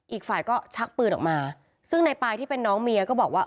อีกฝ่ายก็ชักปืนออกมาซึ่งในปายที่เป็นน้องเมียก็บอกว่า